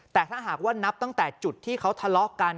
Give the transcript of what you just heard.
แต่ถ้าหากว่านับตั้งแต่จุดที่เขาทะเลาะกัน